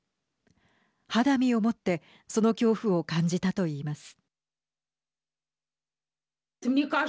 肌身をもってその恐怖を感じたといいます。